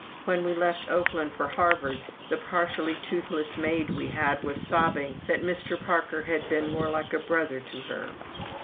When we left Oakland for Harvard, the partially toothless maid we had sobbed that "Mr. Parker had been more like a brother to her!"